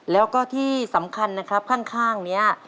แล้วก็ที่สำคัญนะครับข้างนี้